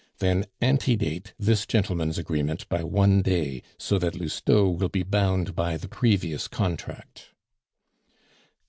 "Then ante date this gentleman's agreement by one day, so that Lousteau will be bound by the previous contract."